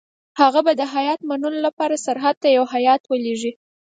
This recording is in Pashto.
هغه به د هیات منلو لپاره سرحد ته یو هیات ولېږي.